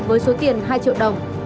với số tiền hai triệu đồng